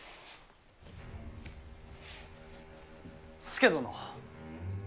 佐殿。